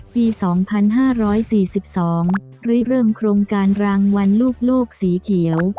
ปีสองพันห้าร้อยสี่สิบสองเริ่มโครงการรางวัลลูกโลกสีเขียว